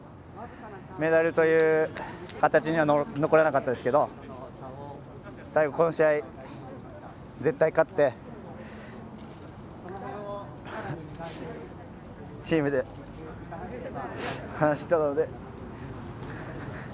メダルという形には残らなかったですけど最後この試合、絶対勝つってチームで話したので。